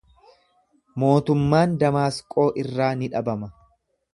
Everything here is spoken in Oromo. Mootummaan Damaasqoo irraa ni dhabama.